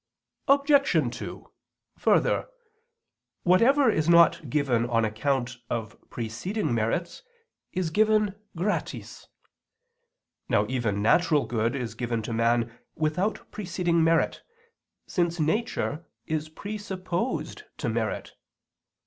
Obj. 2: Further, whatever is not given on account of preceding merits is given gratis. Now even natural good is given to man without preceding merit, since nature is presupposed to merit.